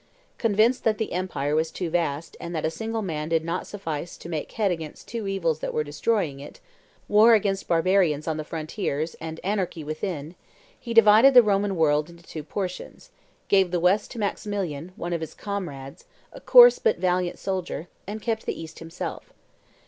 Convinced that the empire was too vast, and that a single man did not suffice to make head against the two evils that were destroying it, war against barbarians on the frontiers, and anarchy within, he divided the Roman world into two portions, gave the West to Maximian, one of his comrades, a coarse but valiant soldier, and kept the East himself.